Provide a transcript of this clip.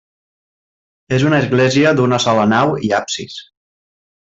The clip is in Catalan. És una església d'una sola nau i absis.